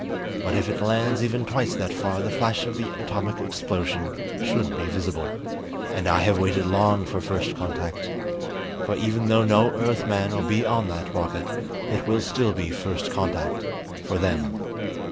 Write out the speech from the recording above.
But if it lands even twice that far the flash of the atomic explosion should be visible. And I have waited long for first contact. For even though no Earthman will be on that rocket, it will still be first contact for them.